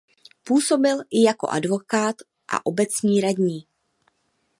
Působil i jako advokát a obecní radní.